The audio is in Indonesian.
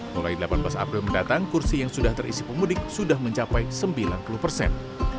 mulai delapan belas april mendatang kursi yang sudah terisi pemudik sudah mencapai sembilan puluh persen